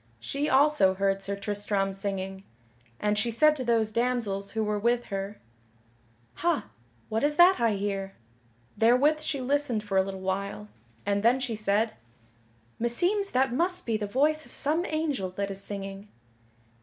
She also heard Sir Tristram singing, and she said to those damsels who were with her, "Ha, what is that I hear?" Therewith she listened for a little while, and then she said: "Meseems that must be the voice of some angel that is singing."